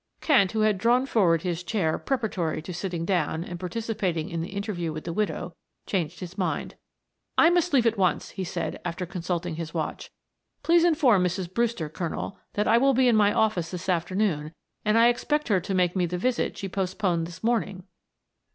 Kent, who had drawn forward a chair preparatory to sitting down and participating in the interview with the widow, changed his mind. "I must leave at once," he said, after consulting his watch. "Please inform Mrs. Brewster, Colonel, that I will be in my office this afternoon, and I expect her to make me the visit she postponed this morning.